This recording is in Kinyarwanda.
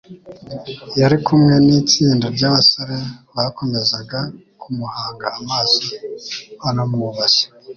Yari kumwe n’itsinda ry’abasore, bakomezaga kumuhanga amaso banamwubashye